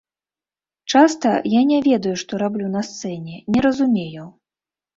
Часта я не ведаю, што раблю на сцэне, не разумею.